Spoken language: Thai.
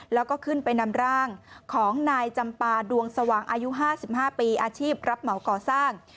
แล้วก็ขึ้นไปนำร่างของนายจำปาดวงสว่างอายุ๕๕ปีอาชีพรับเหมาก่อสร้าง